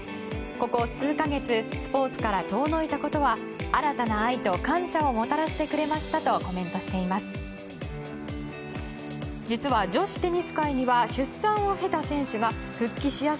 ここ数か月スポーツから遠のいたことは新たな愛と感謝をもたらしてくれましたとコメントしています。